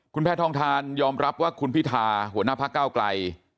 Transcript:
คุณแพทองทานยอมรับว่าคุณพิธาหัวหน้าพระเก้าไกล